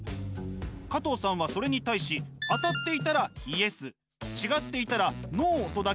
加藤さんはそれに対し当たっていたらＹＥＳ違っていたらＮＯとだけ答えます。